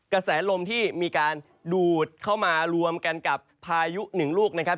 กระแสลมที่มีการดูดเข้ามารวมกันกับพายุหนึ่งลูกนะครับ